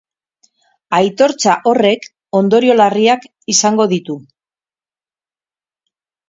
Aitortza horrek ondorio larriak izango ditu.